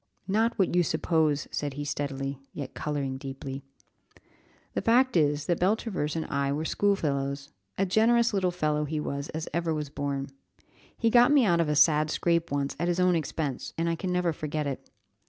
"Not what you suppose," said he steadily, yet colouring deeply. "The fact is, that Beltravers and I were school fellows; a generous little fellow he was as ever was born; he got me out of a sad scrape once at his own expense, and I can never forget it.